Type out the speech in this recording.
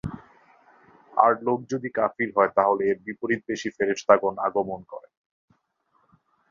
আর লোক যদি কাফির হয় তাহলে এর বিপরীতবেশী ফেরেশতাগণ আগমন করেন।